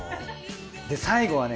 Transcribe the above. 最後はね